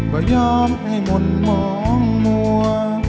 ก็ยอมให้มนต์มองมัว